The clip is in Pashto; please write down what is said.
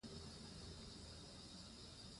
ځینی خلک یوازی هغه حق خبره خوښوي چې د ده په حق کي وی!